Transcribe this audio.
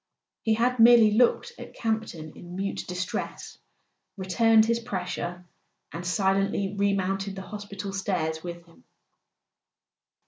He had merely looked at Campton in mute distress, returned his pressure, and silently remounted the hospital stairs with him.